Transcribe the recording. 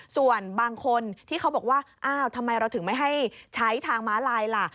ส่วนบางคนที่เขาบอกว่าอ้าวทำไมเราถึงไม่ให้ใช้ทางม้าลายล่ะ